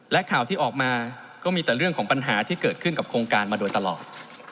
และข่าวที่ออกมาก็มีแต่เรื่องของปัญหาที่เกิดขึ้นกับโครงการมาโดยตลอด